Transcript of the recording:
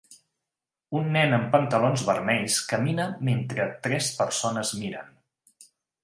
Un nen amb pantalons vermells camina mentre tres persones miren.